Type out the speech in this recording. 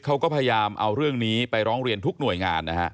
เขาก็พยายามเอาเรื่องนี้ไปร้องเรียนทุกหน่วยงานนะฮะ